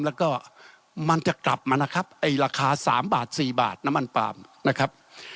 แล้วก็มันจะกลับมานะครับไอ้ราคา๓บาท๔บาทน้ำมันปาล์มนะครับ